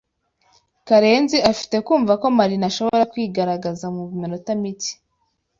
Karenzi afite kumva ko Marina ashobora kwigaragaza mu minota mike.